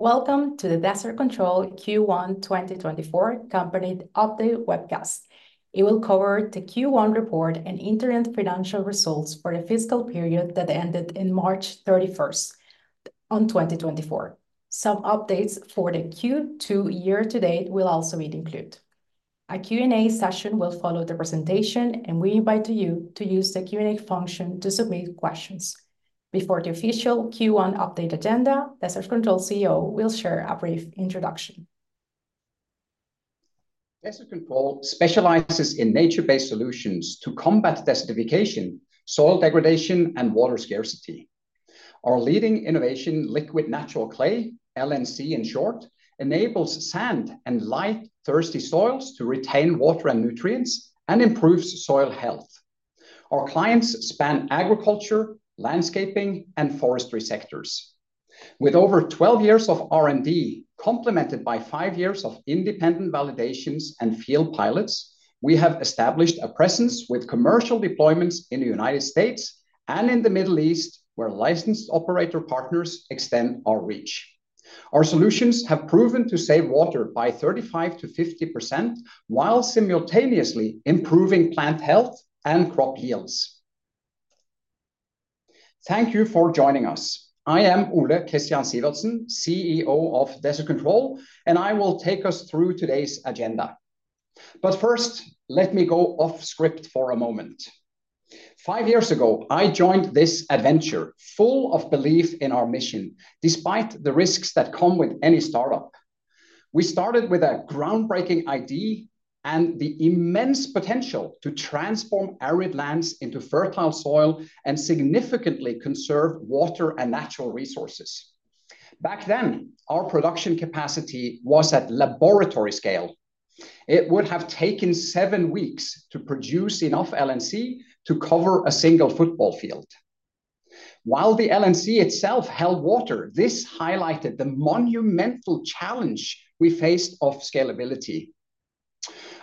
Welcome to the Desert Control Q1 2024 Company Update Webcast. It will cover the Q1 report and interim financial results for the fiscal period that ended on March 31st, 2024. Some updates for the Q2 year to date will also be included. A Q&A session will follow the presentation, and we invite you to use the Q&A function to submit questions. Before the official Q1 update agenda, Desert Control CEO will share a brief introduction. Desert Control specializes in nature-based solutions to combat desertification, soil degradation, and water scarcity. Our leading innovation, Liquid Natural Clay, LNC in short, enables sand and light thirsty soils to retain water and nutrients and improves soil health. Our clients span agriculture, landscaping, and forestry sectors. With over 12 years of R&D, complemented by five years of independent validations and field pilots, we have established a presence with commercial deployments in the United States and in the Middle East, where licensed operator partners extend our reach. Our solutions have proven to save water by 35%-50%, while simultaneously improving plant health and crop yields. Thank you for joining us. I am Ole Kristian Sivertsen, CEO of Desert Control, and I will take us through today's agenda. But first, let me go off script for a moment. Five years ago, I joined this adventure, full of belief in our mission, despite the risks that come with any startup. We started with a groundbreaking idea and the immense potential to transform arid lands into fertile soil and significantly conserve water and natural resources. Back then, our production capacity was at laboratory scale. It would have taken seven weeks to produce enough LNC to cover a single football field. While the LNC itself held water, this highlighted the monumental challenge we faced of scalability.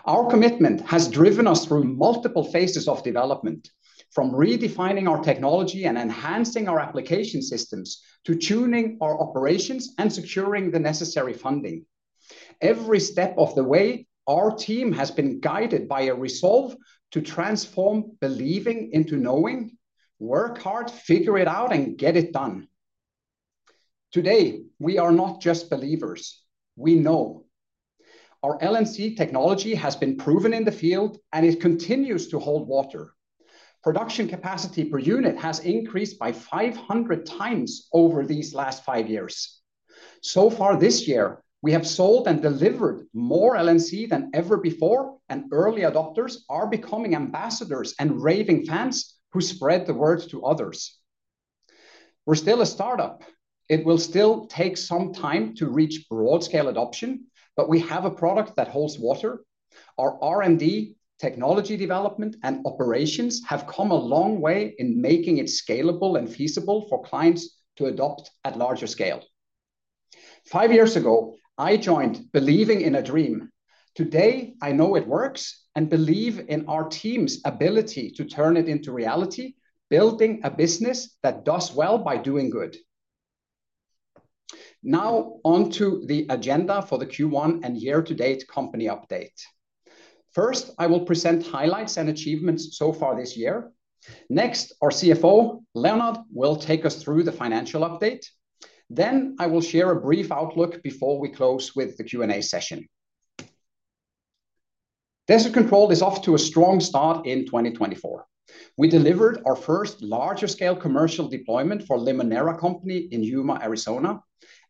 Our commitment has driven us through multiple phases of development, from redefining our technology and enhancing our application systems, to tuning our operations and securing the necessary funding. Every step of the way, our team has been guided by a resolve to transform believing into knowing, work hard, figure it out, and get it done. Today, we are not just believers, we know. Our LNC technology has been proven in the field and it continues to hold water. Production capacity per unit has increased by 500x over these last five years. So far this year, we have sold and delivered more LNC than ever before, and early adopters are becoming ambassadors and raving fans who spread the word to others. We're still a startup. It will still take some time to reach broad-scale adoption, but we have a product that holds water. Our R&D, technology development, and operations have come a long way in making it scalable and feasible for clients to adopt at larger scale. Five years ago, I joined believing in a dream. Today, I know it works and believe in our team's ability to turn it into reality, building a business that does well by doing good. Now, on to the agenda for the Q1 and year-to-date company update. First, I will present highlights and achievements so far this year. Next, our CFO, Leonard, will take us through the financial update. Then I will share a brief outlook before we close with the Q&A session. Desert Control is off to a strong start in 2024. We delivered our first larger-scale commercial deployment for Limoneira Company in Yuma, Arizona,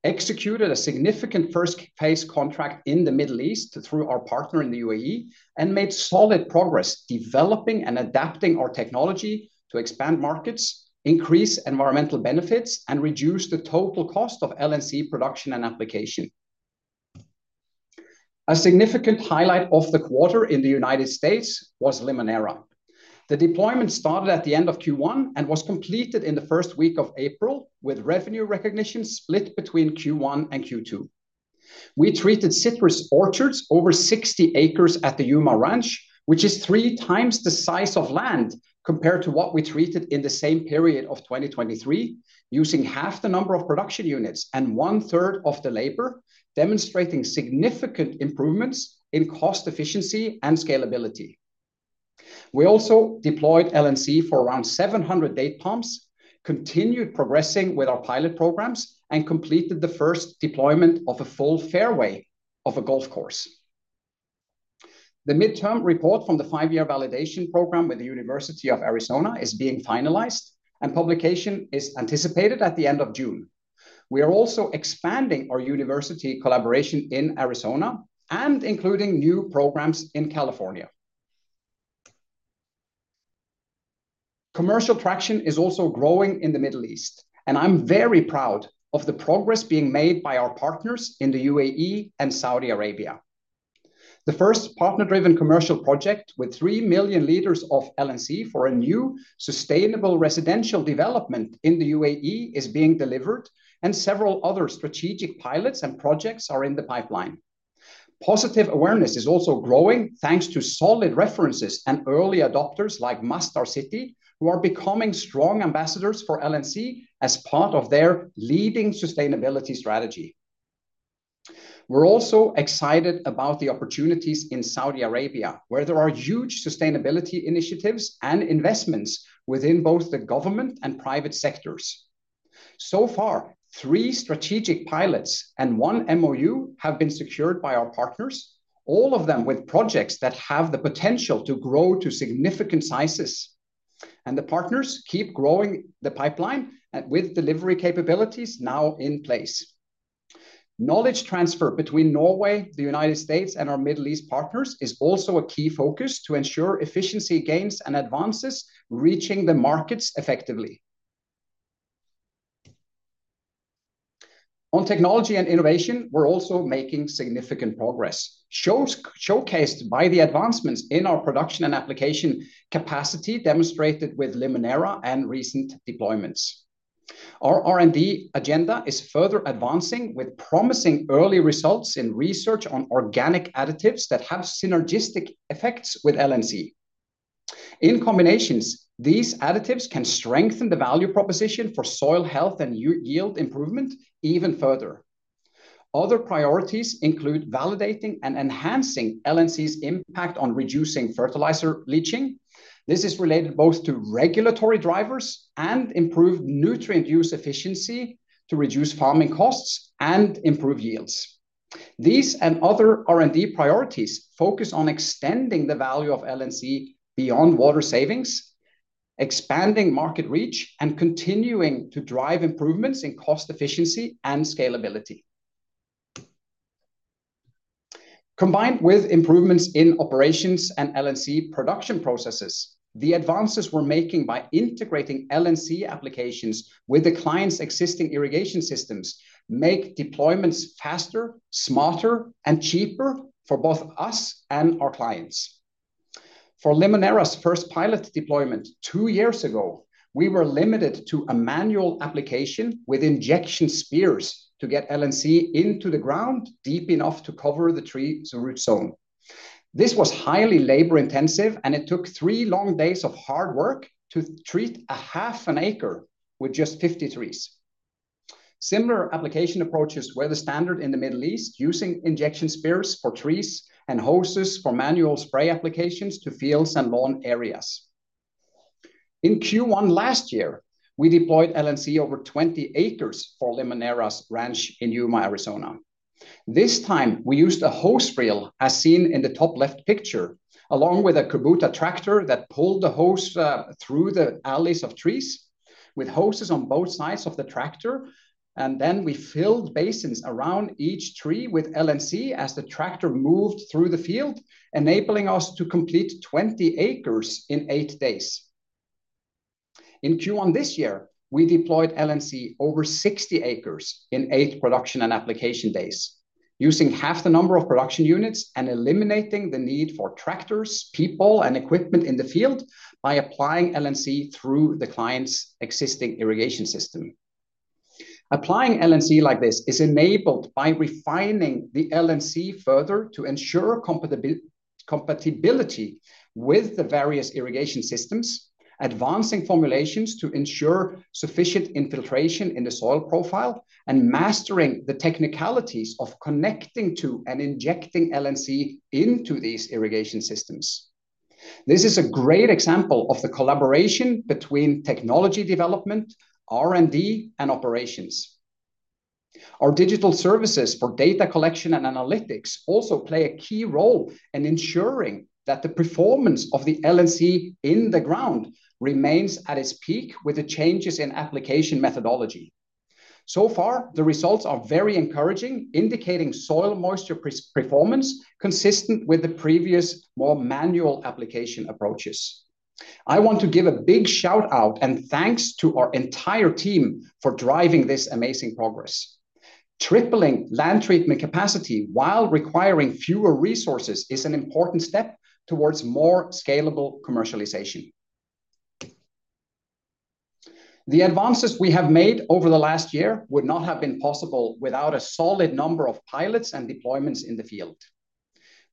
executed a significant first-phase contract in the Middle East through our partner in the UAE, and made solid progress developing and adapting our technology to expand markets, increase environmental benefits, and reduce the total cost of LNC production and application. A significant highlight of the quarter in the United States was Limoneira. The deployment started at the end of Q1 and was completed in the first week of April, with revenue recognition split between Q1 and Q2. We treated citrus orchards over 60 acres at the Yuma ranch, which is 3x the size of land compared to what we treated in the same period of 2023, using half the number of production units and one-third of the labor, demonstrating significant improvements in cost efficiency and scalability. We also deployed LNC for around 700 date palms, continued progressing with our pilot programs, and completed the first deployment of a full fairway of a golf course. The midterm report from the five-year validation program with the University of Arizona is being finalized, and publication is anticipated at the end of June. We are also expanding our university collaboration in Arizona and including new programs in California. Commercial traction is also growing in the Middle East, and I'm very proud of the progress being made by our partners in the UAE and Saudi Arabia. The first partner-driven commercial project with 3 million liters of LNC for a new sustainable residential development in the UAE is being delivered, and several other strategic pilots and projects are in the pipeline. Positive awareness is also growing, thanks to solid references and early adopters like Masdar City, who are becoming strong ambassadors for LNC as part of their leading sustainability strategy. We're also excited about the opportunities in Saudi Arabia, where there are huge sustainability initiatives and investments within both the government and private sectors. So far, three strategic pilots and one MOU have been secured by our partners, all of them with projects that have the potential to grow to significant sizes, and the partners keep growing the pipeline, and with delivery capabilities now in place. Knowledge transfer between Norway, the United States, and our Middle East partners is also a key focus to ensure efficiency gains and advances, reaching the markets effectively. On technology and innovation, we're also making significant progress, showcased by the advancements in our production and application capacity, demonstrated with Limoneira and recent deployments. Our R&D agenda is further advancing, with promising early results in research on organic additives that have synergistic effects with LNC. In combinations, these additives can strengthen the value proposition for soil health and yield improvement even further. Other priorities include validating and enhancing LNC's impact on reducing fertilizer leaching. This is related both to regulatory drivers and improved nutrient use efficiency to reduce farming costs and improve yields. These and other R&D priorities focus on extending the value of LNC beyond water savings, expanding market reach, and continuing to drive improvements in cost efficiency and scalability. Combined with improvements in operations and LNC production processes, the advances we're making by integrating LNC applications with the client's existing irrigation systems make deployments faster, smarter, and cheaper for both us and our clients. For Limoneira's first pilot deployment two years ago, we were limited to a manual application with injection spears to get LNC into the ground, deep enough to cover the tree's root zone. This was highly labor-intensive, and it took three long days of hard work to treat a half an acre with just 50 trees. Similar application approaches were the standard in the Middle East, using injection spears for trees and hoses for manual spray applications to fields and lawn areas. In Q1 last year, we deployed LNC over 20 acres for Limoneira's ranch in Yuma, Arizona. This time, we used a hose reel, as seen in the top left picture, along with a Kubota tractor that pulled the hose through the alleys of trees, with hoses on both sides of the tractor, and then we filled basins around each tree with LNC as the tractor moved through the field, enabling us to complete 20 acres in eight days. In Q1 this year, we deployed LNC over 60 acres in eight production and application days, using half the number of production units and eliminating the need for tractors, people, and equipment in the field by applying LNC through the client's existing irrigation system. Applying LNC like this is enabled by refining the LNC further to ensure compatibility with the various irrigation systems, advancing formulations to ensure sufficient infiltration in the soil profile, and mastering the technicalities of connecting to and injecting LNC into these irrigation systems. This is a great example of the collaboration between technology development, R&D, and operations. Our digital services for data collection and analytics also play a key role in ensuring that the performance of the LNC in the ground remains at its peak with the changes in application methodology. So far, the results are very encouraging, indicating soil moisture performance consistent with the previous more manual application approaches. I want to give a big shout-out and thanks to our entire team for driving this amazing progress. Tripling land treatment capacity while requiring fewer resources is an important step towards more scalable commercialization. The advances we have made over the last year would not have been possible without a solid number of pilots and deployments in the field.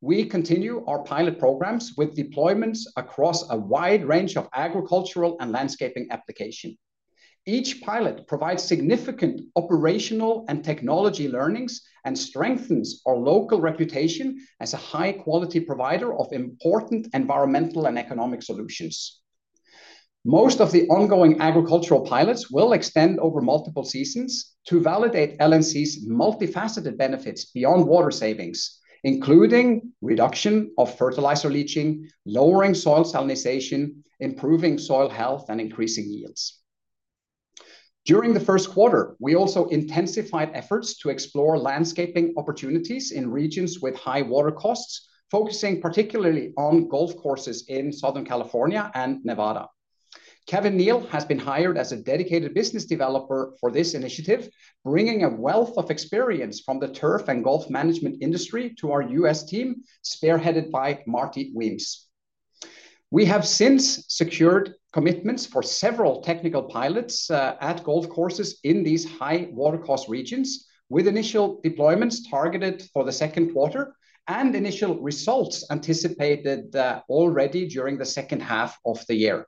We continue our pilot programs with deployments across a wide range of agricultural and landscaping application. Each pilot provides significant operational and technology learnings and strengthens our local reputation as a high-quality provider of important environmental and economic solutions. Most of the ongoing agricultural pilots will extend over multiple seasons to validate LNC's multifaceted benefits beyond water savings, including reduction of fertilizer leaching, lowering soil salinization, improving soil health, and increasing yields. During the first quarter, we also intensified efforts to explore landscaping opportunities in regions with high water costs, focusing particularly on golf courses in Southern California and Nevada. Kevin Neal has been hired as a dedicated business developer for this initiative, bringing a wealth of experience from the turf and golf management industry to our U.S. team, spearheaded by Marty Weems. We have since secured commitments for several technical pilots at golf courses in these high water cost regions, with initial deployments targeted for the second quarter, and initial results anticipated already during the second half of the year.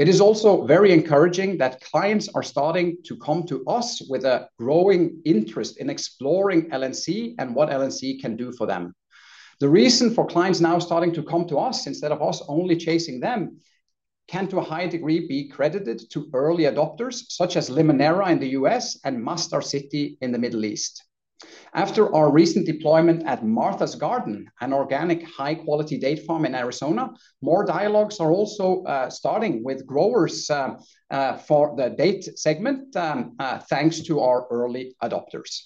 It is also very encouraging that clients are starting to come to us with a growing interest in exploring LNC and what LNC can do for them. The reason for clients now starting to come to us instead of us only chasing them, can, to a high degree, be credited to early adopters such as Limoneira in the U.S. and Masdar City in the Middle East. After our recent deployment at Martha's Gardens, an organic, high-quality date farm in Arizona, more dialogues are also starting with growers for the date segment, thanks to our early adopters.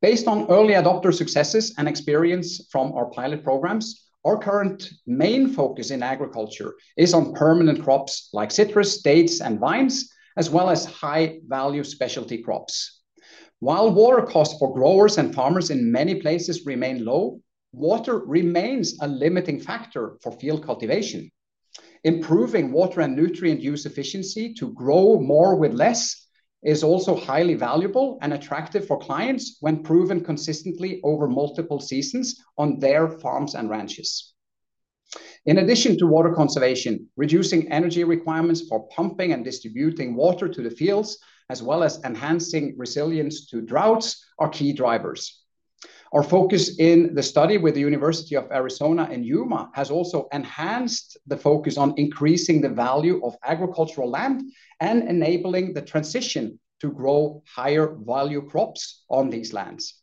Based on early adopter successes and experience from our pilot programs, our current main focus in agriculture is on permanent crops like citrus, dates, and vines, as well as high-value specialty crops. While water costs for growers and farmers in many places remain low, water remains a limiting factor for field cultivation. Improving water and nutrient use efficiency to grow more with less is also highly valuable and attractive for clients when proven consistently over multiple seasons on their farms and ranches. In addition to water conservation, reducing energy requirements for pumping and distributing water to the fields, as well as enhancing resilience to droughts, are key drivers. Our focus in the study with the University of Arizona in Yuma has also enhanced the focus on increasing the value of agricultural land and enabling the transition to grow higher-value crops on these lands.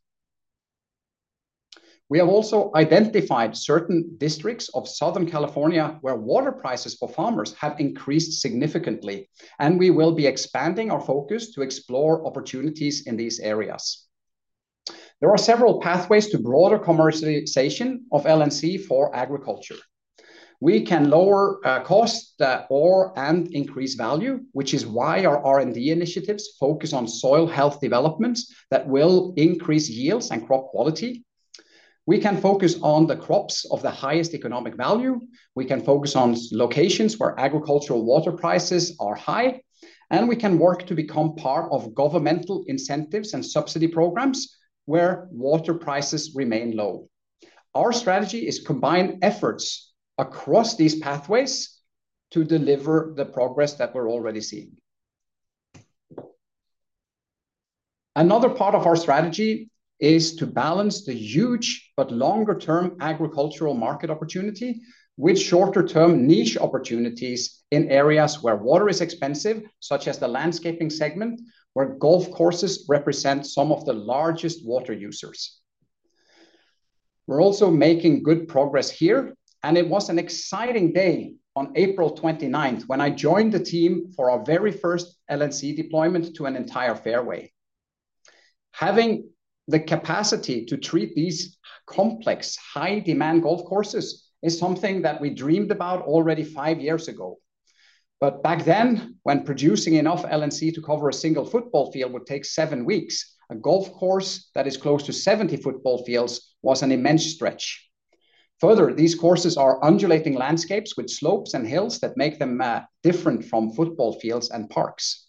We have also identified certain districts of Southern California where water prices for farmers have increased significantly, and we will be expanding our focus to explore opportunities in these areas. There are several pathways to broader commercialization of LNC for agriculture. We can lower, costs, or, and increase value, which is why our R&D initiatives focus on soil health developments that will increase yields and crop quality. We can focus on the crops of the highest economic value, we can focus on locations where agricultural water prices are high, and we can work to become part of governmental incentives and subsidy programs where water prices remain low. Our strategy is to combine efforts across these pathways to deliver the progress that we're already seeing. Another part of our strategy is to balance the huge but longer-term agricultural market opportunity with shorter-term niche opportunities in areas where water is expensive, such as the landscaping segment, where golf courses represent some of the largest water users. We're also making good progress here, and it was an exciting day on April 29th when I joined the team for our very first LNC deployment to an entire fairway. Having the capacity to treat these complex, high-demand golf courses is something that we dreamed about already five years ago. But back then, when producing enough LNC to cover a single football field would take seven weeks, a golf course that is close to 70 football fields was an immense stretch. Further, these courses are undulating landscapes with slopes and hills that make them different from football fields and parks.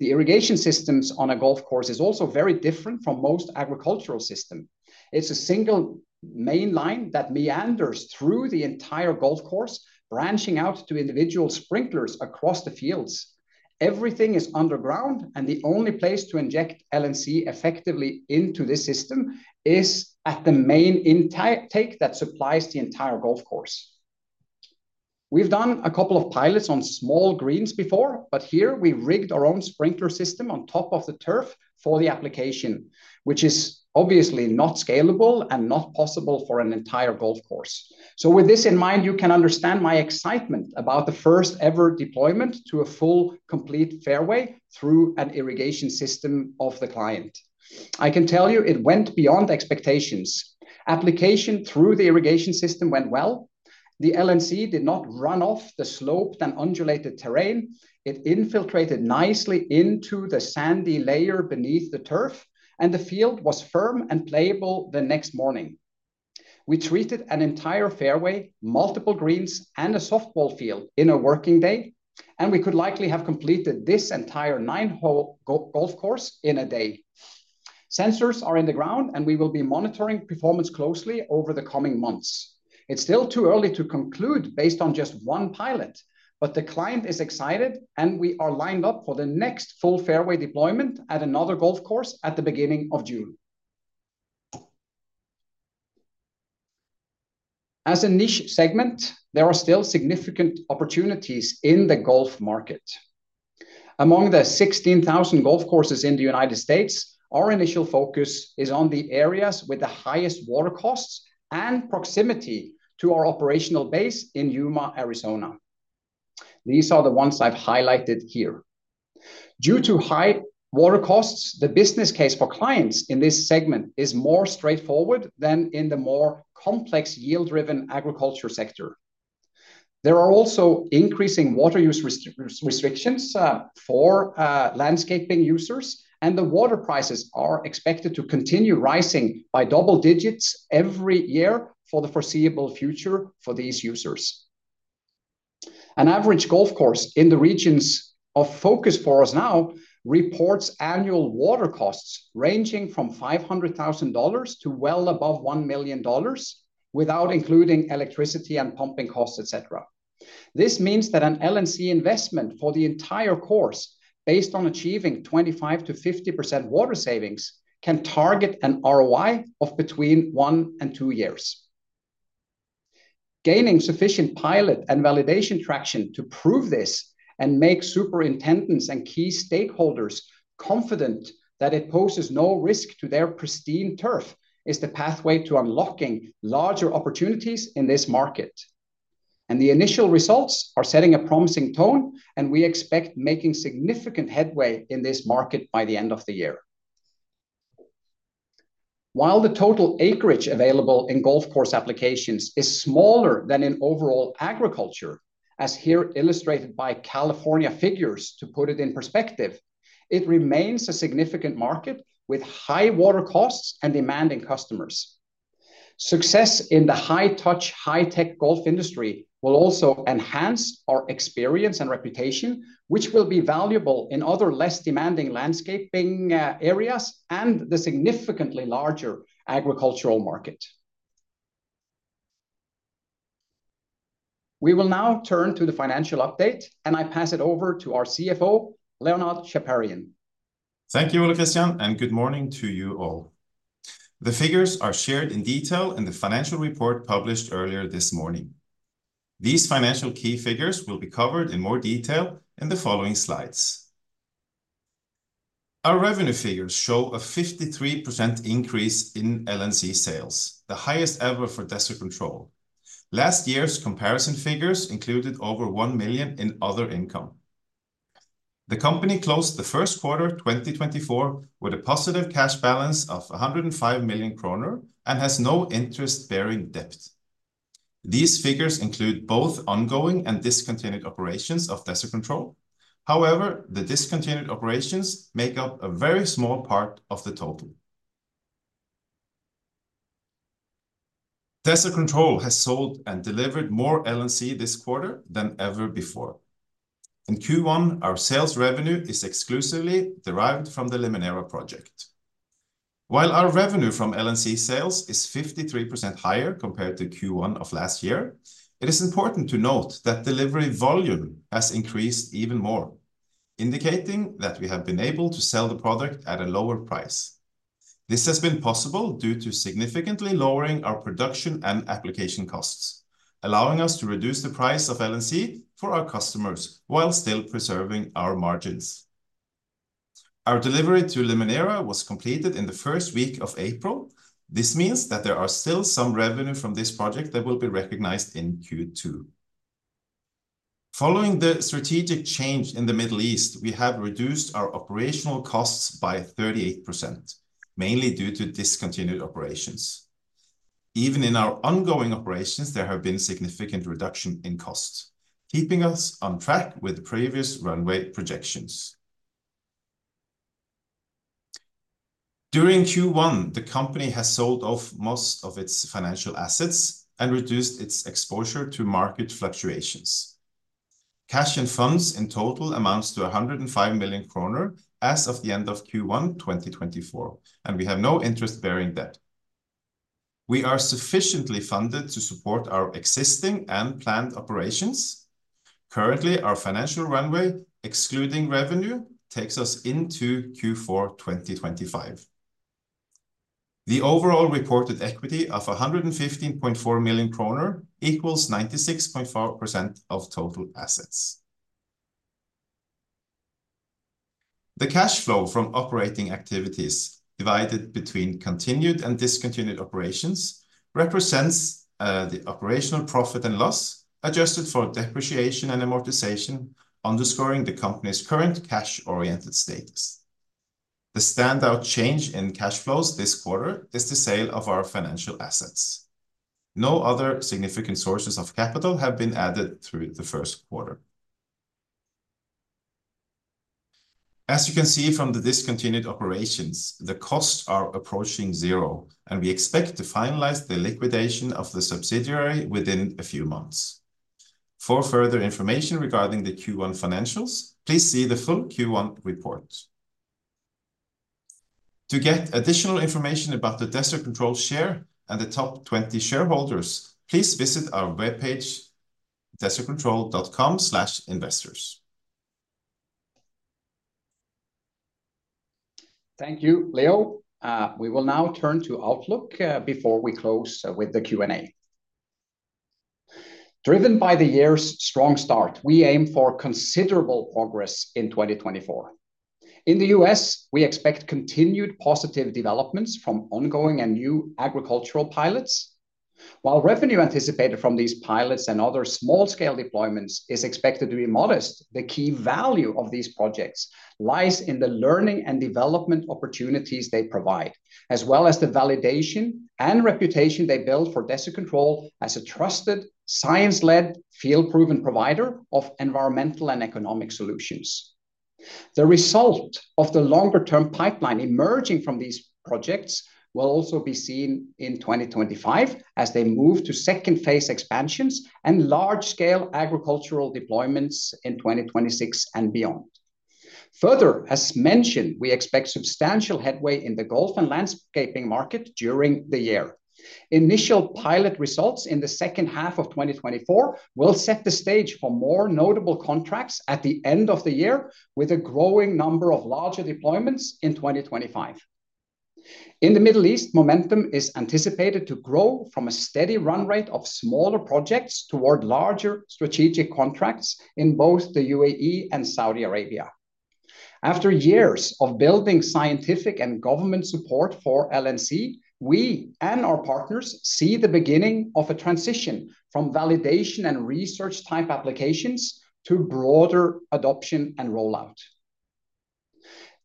The irrigation systems on a golf course is also very different from most agricultural system. It's a single main line that meanders through the entire golf course, branching out to individual sprinklers across the fields. Everything is underground, and the only place to inject LNC effectively into the system is at the main intake that supplies the entire golf course. We've done a couple of pilots on small greens before, but here we've rigged our own sprinkler system on top of the turf for the application, which is obviously not scalable and not possible for an entire golf course. So with this in mind, you can understand my excitement about the first-ever deployment to a full, complete fairway through an irrigation system of the client. I can tell you it went beyond expectations. Application through the irrigation system went well. The LNC did not run off the sloped and undulated terrain. It infiltrated nicely into the sandy layer beneath the turf, and the field was firm and playable the next morning. We treated an entire fairway, multiple greens, and a softball field in a working day, and we could likely have completed this entire nine-hole golf course in a day. Sensors are in the ground, and we will be monitoring performance closely over the coming months. It's still too early to conclude based on just one pilot, but the client is excited, and we are lined up for the next full fairway deployment at another golf course at the beginning of June. As a niche segment, there are still significant opportunities in the golf market. Among the 16,000 golf courses in the United States, our initial focus is on the areas with the highest water costs and proximity to our operational base in Yuma, Arizona. These are the ones I've highlighted here. Due to high water costs, the business case for clients in this segment is more straightforward than in the more complex, yield-driven agriculture sector. There are also increasing water use restrictions for landscaping users, and the water prices are expected to continue rising by double digits every year for the foreseeable future for these users. An average golf course in the regions of focus for us now reports annual water costs ranging from $500,000 to well above $1 million, without including electricity and pumping costs, et cetera. This means that an LNC investment for the entire course, based on achieving 25%-50% water savings, can target an ROI of between one and two years. Gaining sufficient pilot and validation traction to prove this and make superintendents and key stakeholders confident that it poses no risk to their pristine turf is the pathway to unlocking larger opportunities in this market, and the initial results are setting a promising tone, and we expect making significant headway in this market by the end of the year. While the total acreage available in golf course applications is smaller than in overall agriculture, as here illustrated by California figures, to put it in perspective, it remains a significant market with high water costs and demanding customers. Success in the high-touch, high-tech golf industry will also enhance our experience and reputation, which will be valuable in other less demanding landscaping areas and the significantly larger agricultural market. We will now turn to the financial update, and I pass it over to our CFO, Leonard Chaparian. Thank you, Ole Kristian, and good morning to you all. The figures are shared in detail in the financial report published earlier this morning. These financial key figures will be covered in more detail in the following slides. Our revenue figures show a 53% increase in LNC sales, the highest ever for Desert Control. Last year's comparison figures included over 1 million in other income. The company closed the first quarter, 2024, with a positive cash balance of 105 million kroner and has no interest-bearing debt. These figures include both ongoing and discontinued operations of Desert Control. However, the discontinued operations make up a very small part of the total. Desert Control has sold and delivered more LNC this quarter than ever before. In Q1, our sales revenue is exclusively derived from the Limoneira project. While our revenue from LNC sales is 53% higher compared to Q1 of last year, it is important to note that delivery volume has increased even more, indicating that we have been able to sell the product at a lower price. This has been possible due to significantly lowering our production and application costs, allowing us to reduce the price of LNC for our customers while still preserving our margins. Our delivery to Limoneira was completed in the first week of April. This means that there are still some revenue from this project that will be recognized in Q2. Following the strategic change in the Middle East, we have reduced our operational costs by 38%, mainly due to discontinued operations. Even in our ongoing operations, there have been significant reduction in costs, keeping us on track with previous runway projections. During Q1, the company has sold off most of its financial assets and reduced its exposure to market fluctuations. Cash and funds in total amounts to 105 million kroner as of the end of Q1, 2024, and we have no interest bearing debt. We are sufficiently funded to support our existing and planned operations. Currently, our financial runway, excluding revenue, takes us into Q4, 2025. The overall reported equity of 115.4 million kroner equals 96.4% of total assets. The cash flow from operating activities, divided between continued and discontinued operations, represents the operational profit and loss, adjusted for depreciation and amortization, underscoring the company's current cash-oriented status. The standout change in cash flows this quarter is the sale of our financial assets. No other significant sources of capital have been added through the first quarter. As you can see from the discontinued operations, the costs are approaching zero, and we expect to finalize the liquidation of the subsidiary within a few months. For further information regarding the Q1 financials, please see the full Q1 report. To get additional information about the Desert Control share and the top 20 shareholders, please visit our webpage, desertcontrol.com/investors. Thank you, Leo. We will now turn to outlook, before we close, with the Q&A. Driven by the year's strong start, we aim for considerable progress in 2024. In the U.S., we expect continued positive developments from ongoing and new agricultural pilots. While revenue anticipated from these pilots and other small-scale deployments is expected to be modest, the key value of these projects lies in the learning and development opportunities they provide, as well as the validation and reputation they build for Desert Control as a trusted, science-led, field-proven provider of environmental and economic solutions. The result of the longer-term pipeline emerging from these projects will also be seen in 2025, as they move to second-phase expansions and large-scale agricultural deployments in 2026 and beyond. Further, as mentioned, we expect substantial headway in the golf and landscaping market during the year. Initial pilot results in the second half of 2024 will set the stage for more notable contracts at the end of the year, with a growing number of larger deployments in 2025. In the Middle East, momentum is anticipated to grow from a steady run rate of smaller projects toward larger strategic contracts in both the UAE and Saudi Arabia. After years of building scientific and government support for LNC, we and our partners see the beginning of a transition from validation and research-type applications to broader adoption and rollout.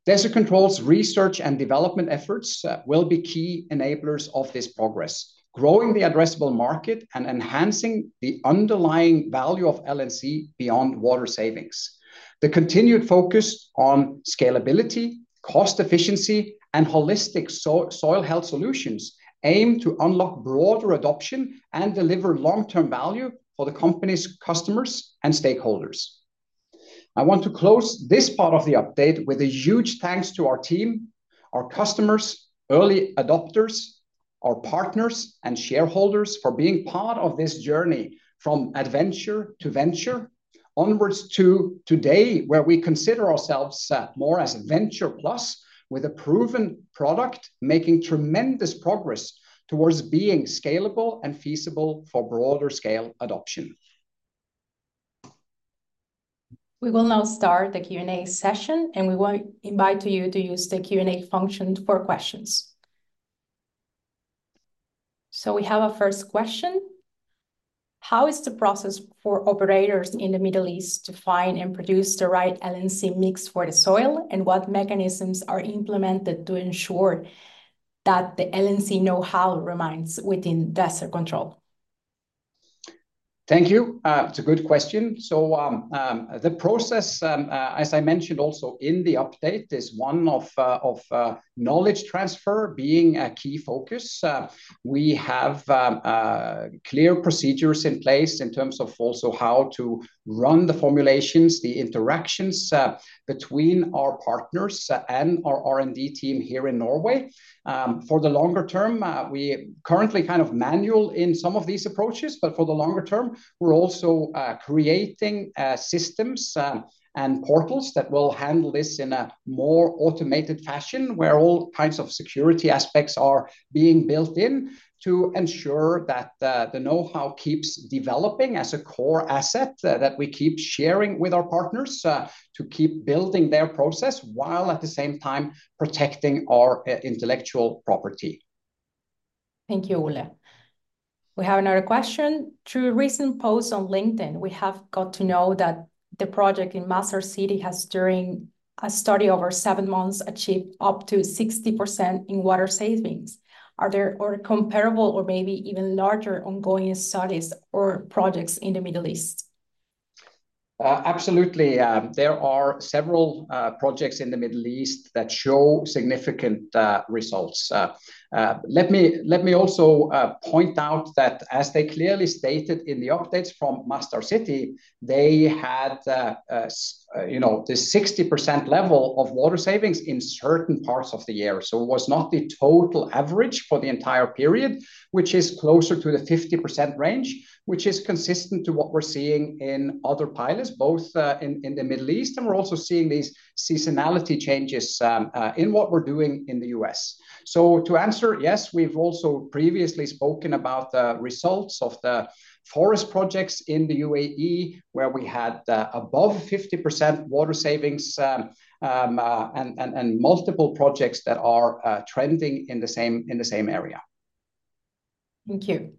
Desert Control's research and development efforts will be key enablers of this progress, growing the addressable market and enhancing the underlying value of LNC beyond water savings. The continued focus on scalability, cost efficiency, and holistic soil health solutions aim to unlock broader adoption and deliver long-term value for the company's customers and stakeholders. I want to close this part of the update with a huge thanks to our team, our customers, early adopters, our partners, and shareholders for being part of this journey from adventure to venture, onwards to today, where we consider ourselves, more as venture plus, with a proven product making tremendous progress towards being scalable and feasible for broader scale adoption. We will now start the Q&A session, and we want to invite you to use the Q&A function for questions. So we have a first question: How is the process for operators in the Middle East to find and produce the right LNC mix for the soil, and what mechanisms are implemented to ensure that the LNC know-how remains within Desert Control? Thank you. It's a good question. The process, as I mentioned also in the update, is one of knowledge transfer being a key focus. We have clear procedures in place in terms of also how to run the formulations, the interactions between our partners and our R&D team here in Norway. For the longer term, we currently kind of manual in some of these approaches, but for the longer term, we're also creating systems and portals that will handle this in a more automated fashion, where all kinds of security aspects are being built in to ensure that the know-how keeps developing as a core asset that we keep sharing with our partners to keep building their process, while at the same time protecting our intellectual property. Thank you, Ole. We have another question. "Through a recent post on LinkedIn, we have got to know that the project in Masdar City has, during a study over seven months, achieved up to 60% in water savings. Are there, or comparable or maybe even larger ongoing studies or projects in the Middle East? Absolutely. There are several projects in the Middle East that show significant results. Let me also point out that, as they clearly stated in the updates from Masdar City, they had, you know, the 60% level of water savings in certain parts of the year, so it was not the total average for the entire period, which is closer to the 50% range, which is consistent to what we're seeing in other pilots, both in the Middle East, and we're also seeing these seasonality changes in what we're doing in the U.S. So to answer, yes, we've also previously spoken about the results of the forest projects in the UAE, where we had above 50% water savings, and multiple projects that are trending in the same area. Thank you.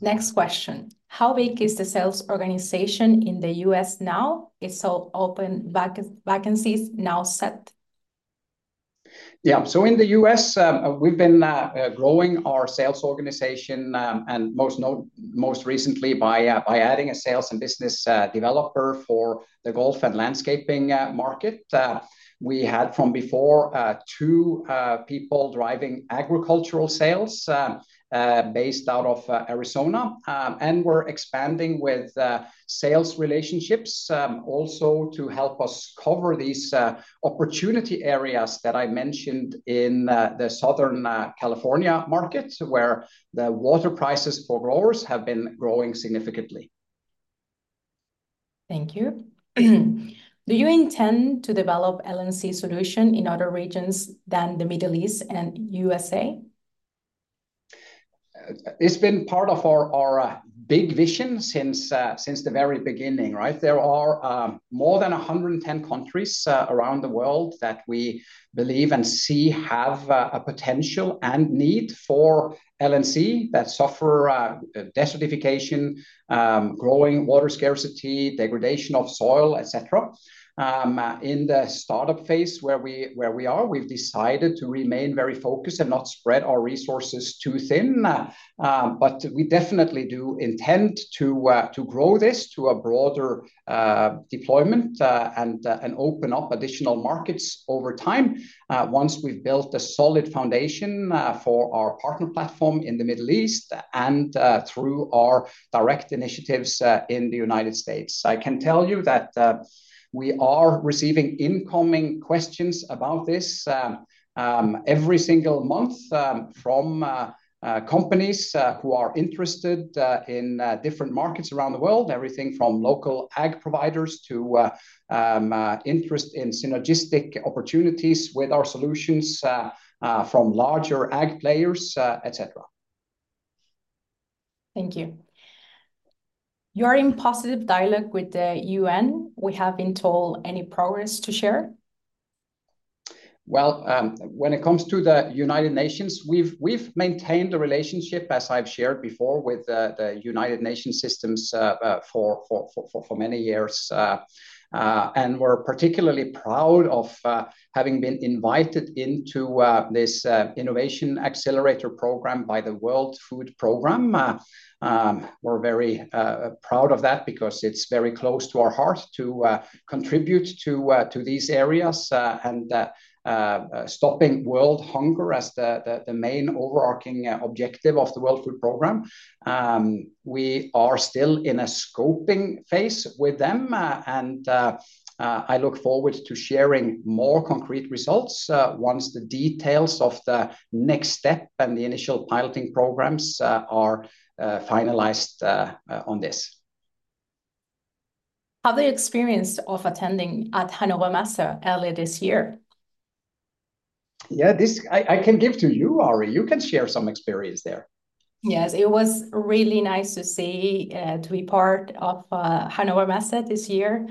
Next question: "How big is the sales organization in the U.S. now? Is all open vacancies now set? Yeah, so in the U.S., we've been growing our sales organization, and most recently by adding a sales and business developer for the golf and landscaping market. We had from before two people driving agricultural sales, based out of Arizona. We're expanding with sales relationships, also to help us cover these opportunity areas that I mentioned in the Southern California market, where the water prices for growers have been growing significantly. Thank you. "Do you intend to develop LNC solution in other regions than the Middle East and USA? It's been part of our big vision since the very beginning, right? There are more than 110 countries around the world that we believe and see have a potential and need for LNC, that suffer desertification, growing water scarcity, degradation of soil, et cetera. In the startup phase where we are, we've decided to remain very focused and not spread our resources too thin. But we definitely do intend to grow this to a broader deployment and open up additional markets over time, once we've built a solid foundation for our partner platform in the Middle East, and through our direct initiatives in the United States. I can tell you that we are receiving incoming questions about this every single month from companies who are interested in different markets around the world, everything from local ag providers to interest in synergistic opportunities with our solutions from larger ag players, et cetera. Thank you. You are in positive dialogue with the UN, we have been told. Any progress to share? Well, when it comes to the United Nations, we've maintained a relationship, as I've shared before, with the United Nations systems, for many years. And we're particularly proud of having been invited into this innovation accelerator program by the World Food Programme. We're very proud of that, because it's very close to our heart to contribute to these areas and stopping world hunger as the main overarching objective of the World Food Programme. We are still in a scoping phase with them, and I look forward to sharing more concrete results once the details of the next step and the initial piloting programs are finalized on this. How the experience of attending at Hannover Messe earlier this year? Yeah, this I can give to you, Ari. You can share some experience there. Yes, it was really nice to see, to be part of Hannover Messe this year.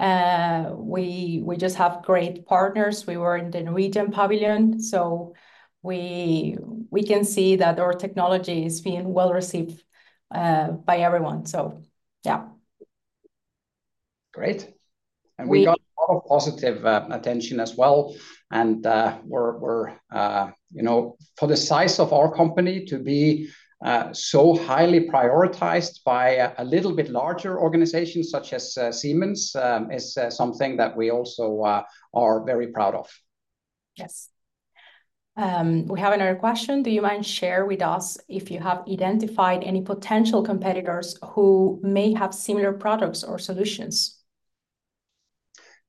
We just have great partners. We were in the Norwegian pavilion, so we can see that our technology is being well-received by everyone. So, yeah. Great. We got a lot of positive attention as well. You know, for the size of our company to be so highly prioritized by a little bit larger organization such as Siemens is something that we also are very proud of. Yes. We have another question: Do you mind sharing with us if you have identified any potential competitors who may have similar products or solutions?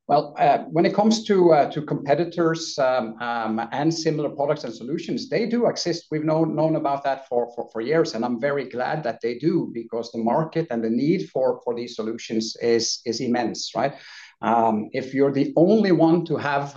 Well, when it comes to competitors and similar products and solutions, they do exist. We've known about that for years, and I'm very glad that they do, because the market and the need for these solutions is immense, right? If you're the only one to have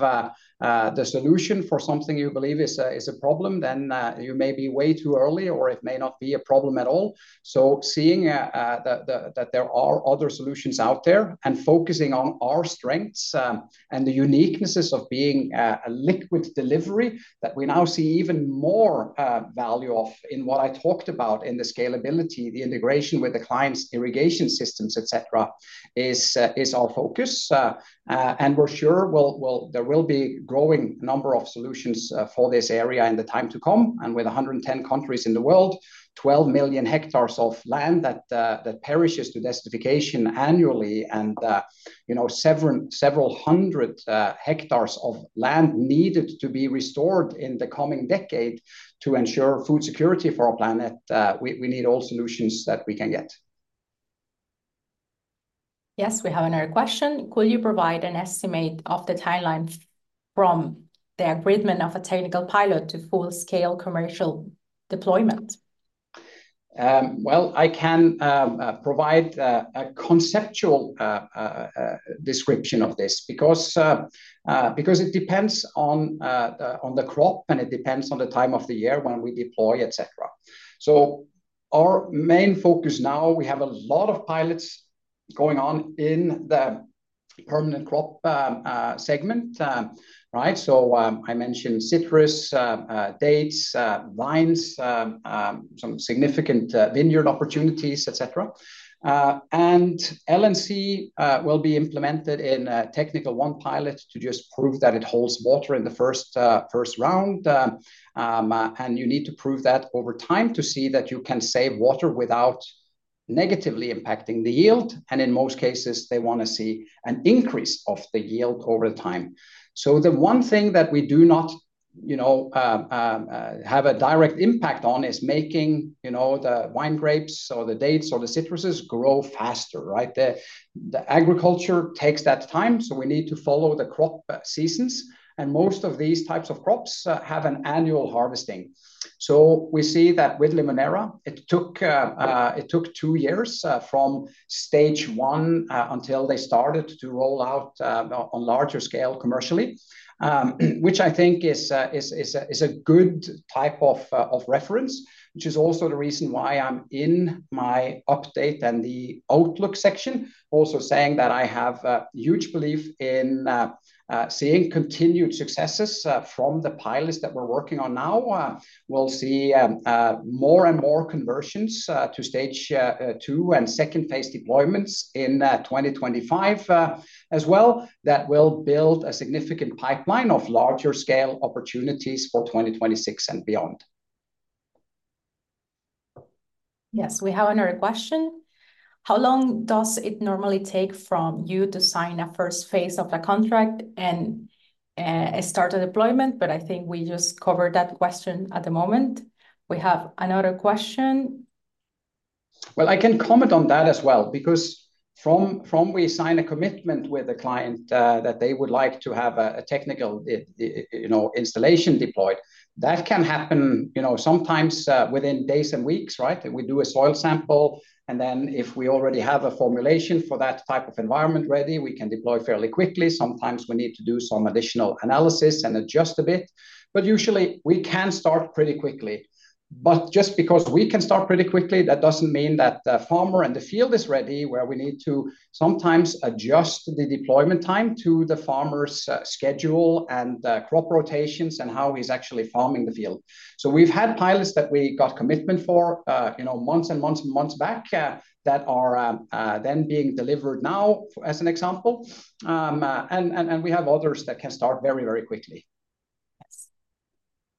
the solution for something you believe is a problem, then you may be way too early, or it may not be a problem at all. So seeing that there are other solutions out there and focusing on our strengths and the uniquenesses of being a liquid delivery, that we now see even more value of in what I talked about in the scalability, the integration with the client's irrigation systems, et cetera, is our focus. And we're sure we'll there will be a growing number of solutions for this area in the time to come. And with 110 countries in the world, 12 million hectares of land that perishes to desertification annually, and you know, several hundred hectares of land needed to be restored in the coming decade to ensure food security for our planet, we need all solutions that we can get. Yes, we have another question: Could you provide an estimate of the timeline from the agreement of a technical pilot to full-scale commercial deployment? Well, I can provide a conceptual description of this, because it depends on the crop, and it depends on the time of the year when we deploy, et cetera. So our main focus now, we have a lot of pilots going on in the permanent crop segment, right? So, I mentioned citrus, dates, vines, some significant vineyard opportunities, et cetera. And LNC will be implemented in a technical one pilot to just prove that it holds water in the first round. And you need to prove that over time to see that you can save water without negatively impacting the yield, and in most cases, they wanna see an increase of the yield over time. So the one thing that we do not have a direct impact on is making, you know, the wine grapes or the dates or the citruses grow faster, right? The agriculture takes that time, so we need to follow the crop seasons, and most of these types of crops have an annual harvesting. So we see that with Limoneira, it took two years from stage one until they started to roll out on larger scale commercially. Which I think is a good type of reference, which is also the reason why I'm in my update and the outlook section, also saying that I have a huge belief in seeing continued successes from the pilots that we're working on now. We'll see more and more conversions to stage 2, and second-phase deployments in 2025 as well, that will build a significant pipeline of larger scale opportunities for 2026 and beyond. Yes, we have another question. How long does it normally take from you to sign a first phase of a contract and, start a deployment? But I think we just covered that question at the moment. We have another question. Well, I can comment on that as well, because from we sign a commitment with a client that they would like to have a technical, you know, installation deployed, that can happen, you know, sometimes within days and weeks, right? We do a soil sample, and then if we already have a formulation for that type of environment ready, we can deploy fairly quickly. Sometimes we need to do some additional analysis and adjust a bit, but usually we can start pretty quickly. But just because we can start pretty quickly, that doesn't mean that the farmer and the field is ready, where we need to sometimes adjust the deployment time to the farmer's schedule, and crop rotations, and how he's actually farming the field. So we've had pilots that we got commitment for, you know, months and months and months back, that are then being delivered now, as an example. And we have others that can start very, very quickly. Yes.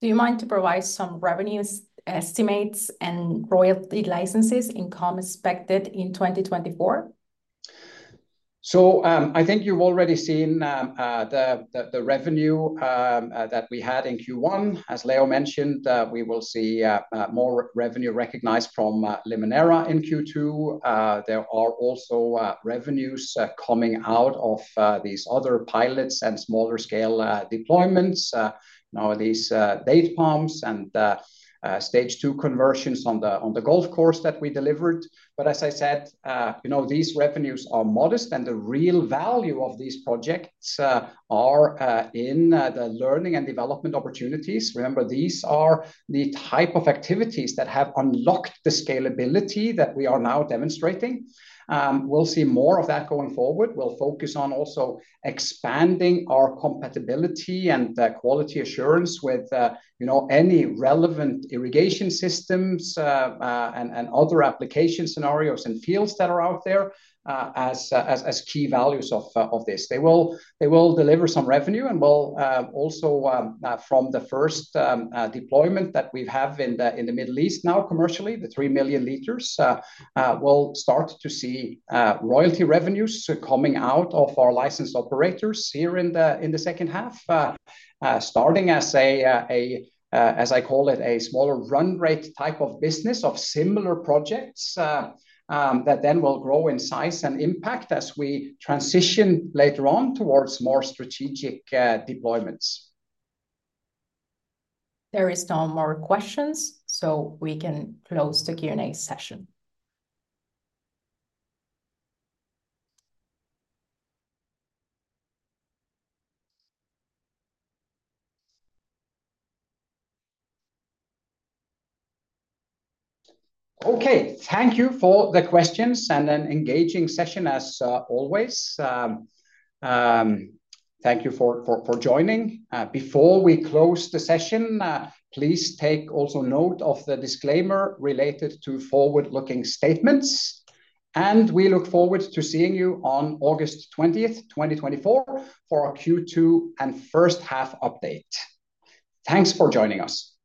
Do you mind to provide some revenues, estimates, and royalty licenses income expected in 2024? I think you've already seen the revenue that we had in Q1. As Leo mentioned, we will see more revenue recognized from Limoneira in Q2. There are also revenues coming out of these other pilots and smaller scale deployments, you know, these date palms and stage two conversions on the golf course that we delivered. But as I said, you know, these revenues are modest, and the real value of these projects are in the learning and development opportunities. Remember, these are the type of activities that have unlocked the scalability that we are now demonstrating. We'll see more of that going forward. We'll focus on also expanding our compatibility and, quality assurance with, you know, any relevant irrigation systems, and other application scenarios and fields that are out there, as, as, as key values of, of this. They will, they will deliver some revenue, and we'll, also, from the first, deployment that we have in the Middle East now commercially, the 3 million liters, we'll start to see, royalty revenues coming out of our licensed operators here in the, in the second half. starting as I call it, a smaller run rate type of business of similar projects, that then will grow in size and impact as we transition later on towards more strategic, deployments. There is no more questions, so we can close the Q&A session. Okay. Thank you for the questions and an engaging session as always. Thank you for joining. Before we close the session, please take also note of the disclaimer related to forward-looking statements, and we look forward to seeing you on August 20th, 2024, for our Q2 and first-half update. Thanks for joining us.